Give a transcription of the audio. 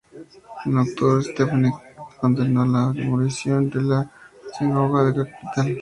En octubre Stepinac condenó la demolición de la sinagoga de la capital.